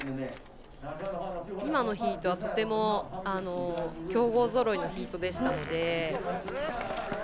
今のヒートはとても強豪ぞろいのヒートでしたので。